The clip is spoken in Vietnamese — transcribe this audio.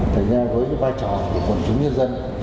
tại nhà với vai trò của quân chúng nhân dân